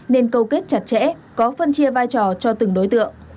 nên câu kết chặt chẽ có phân chia vai trò cho từng đối tượng